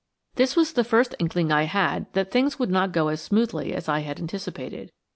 This was the first inkling I had that things would not go as smoothly as I had anticipated.